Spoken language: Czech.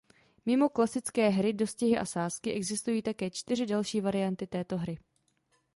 Mimo klasické hry Dostihy a sázky existují také čtyři další varianty této hry.